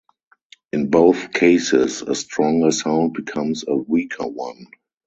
In both cases, a stronger sound becomes a weaker one.